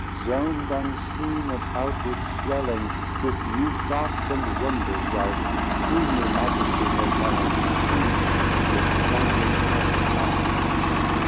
Zoned unseen, and outward swelling, With new thoughts and wonders rife, Queenly majesty foretelling, See the expanding house of life!